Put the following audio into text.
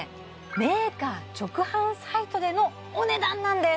メーカー直販サイトでのお値段なんです！